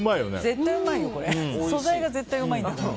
素材が絶対うまいんだもん。